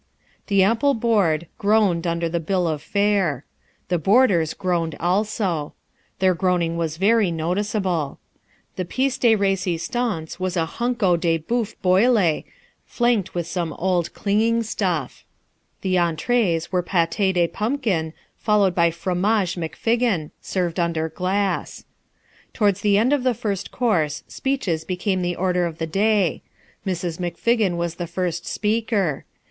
The ample board groaned under the bill of fare. The boarders groaned also. Their groaning was very noticeable. The pièce de resistance was a hunko de bœuf boilé, flanked with some old clinging stuff. The entrées were pâté de pumpkin, followed by fromage McFiggin, served under glass. Towards the end of the first course, speeches became the order of the day. Mrs. McFiggin was the first speaker.